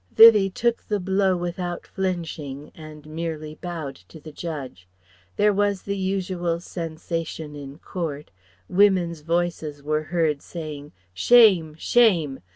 Vivie took the blow without flinching and merely bowed to the judge. There was the usual "sensation in Court." Women's voices were heard saying "Shame!" "Shame!"